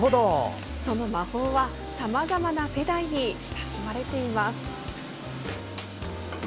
その魔法は、さまざまな世代に親しまれています。